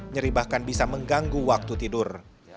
nyeri bahkan bisa mengganggu waktu tidur